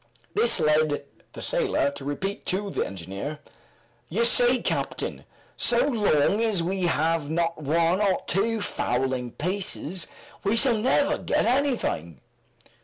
This led the sailor to repeat to the engineer, "You see, captain, so long as we have not one or two fowling pieces, we shall never get anything!"